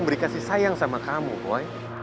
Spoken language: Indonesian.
beri kasih sayang sama kamu boy